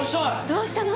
どうしたの？